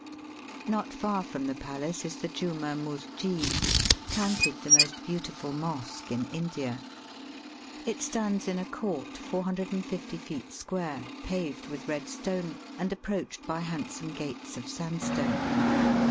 Not far from the palace is the Juma Musjid, counted the most beautiful mosque in India^ It stands in a court 450 feet square, paved with red stone, and approached by handsome gates of sandstone.